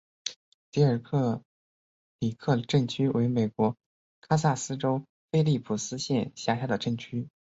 迪尔克里克镇区为美国堪萨斯州菲利普斯县辖下的镇区。